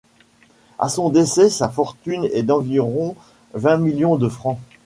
À son décès, sa fortune est d'environ vingt millions de francs.